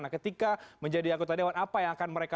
nah ketika menjadi anggota dewan apa yang akan mereka